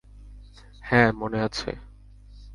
হ্যাঁ, মনে আছে।